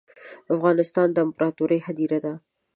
افغانستان ده امپراتوریو هدیره ده